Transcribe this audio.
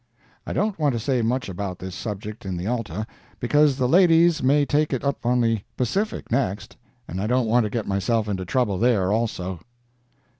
I don't want to say much about this subject in the ALTA, because the ladies may take it up on the Pacific next, and I don't want to get myself into trouble there also.